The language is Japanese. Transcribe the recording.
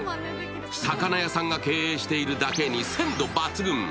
魚屋さんが経営しているだけに鮮度抜群。